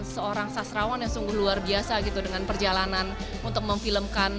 seorang sasrawan yang sungguh luar biasa gitu dengan perjalanan untuk memfilmkan